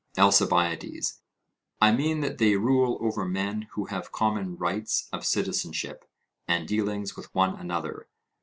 ALCIBIADES: I mean that they rule over men who have common rights of citizenship, and dealings with one another.